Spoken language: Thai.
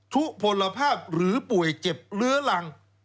ทุกผลภาพหรือป่วยเจ็บหรือลัง